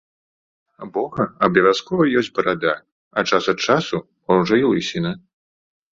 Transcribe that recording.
Бога абавязкова ёсць барада, а час ад часу, можа, і лысіна.